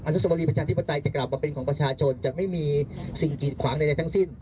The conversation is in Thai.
นุสวรีประชาธิปไตยจะกลับมาเป็นของประชาชนจะไม่มีสิ่งกีดขวางใดทั้งสิ้น